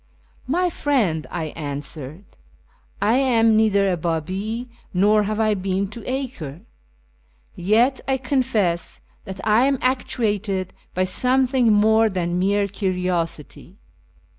" My friend," I answered, " I am neither a Babi, nor have I been to Acre ; yet I confess that I am actuated by some thing more than mere curiosity.